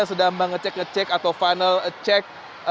sudah mengecek ngecek atau final check